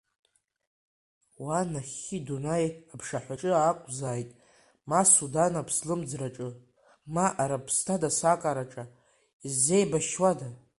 Уа нахьхьи Дунаи аԥшаҳәаҿы акузааит, ма Судан аԥслымӡраҿы, ма Арабсҭан асакараҿы иззеибашьуада?